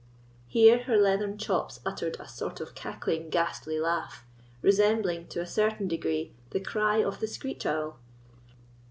Here her leathern chops uttered a sort of cackling, ghastly laugh, resembling, to a certain degree, the cry of the screech owl.